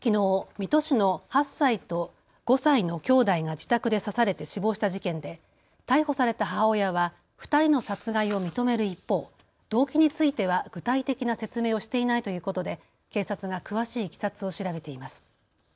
水戸市の８歳と５歳のきょうだいが自宅で刺されて死亡した事件で逮捕された母親は２人の殺害を認める一方、動機については具体的な説明をしていないということで警察が詳しいいきさつを調べています。